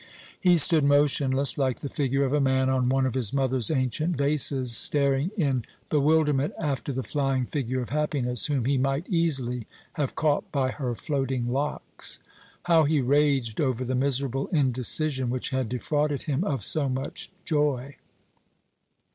He stood motionless, like the figure of a man on one of his mother's ancient vases, staring in bewilderment after the flying figure of Happiness, whom he might easily have caught by her floating locks. How he raged over the miserable indecision which had defrauded him of so much joy!